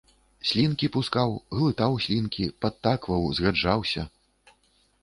Слінкі пускаў, глытаў слінкі, падтакваў, згаджаўся.